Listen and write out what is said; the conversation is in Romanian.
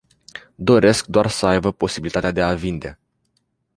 Doresc doar să aibă posibilitatea de a vinde.